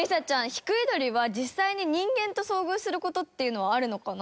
ヒクイドリは実際に人間と遭遇する事っていうのはあるのかな？